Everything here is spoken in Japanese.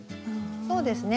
そうですね